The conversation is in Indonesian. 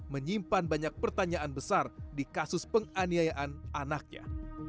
menyimpan banyak pertanyaan besar di kasus penganiayaan anaknya